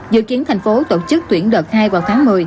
dự kiến thành phố tổ chức tuyển đợt hai vào tháng một mươi